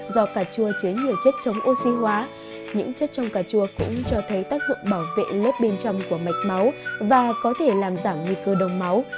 do cà chua chế nhiều chất chống oxy hóa những chất trong cà chua cũng cho thấy tác dụng bảo vệ lớp bên trong của mạch máu và có thể làm giảm nguy cơ đồng máu